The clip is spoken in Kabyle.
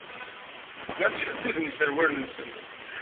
Llan ttḥeddiden iserwalen-nsen.